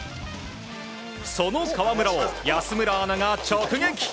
その河村を、安村アナが直撃。